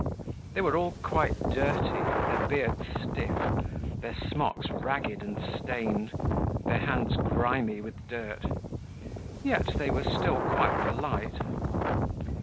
They were all quite dirty, their beards stiff, their smocks ragged and stained, their hands grimy with dirt. Yet they were still quite polite.